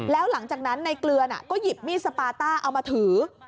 แล้วหลังจากนั้นในเกลือก็หยิบมีดสปาต้าเอามาถือ